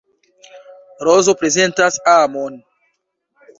Rozo prezentas amon.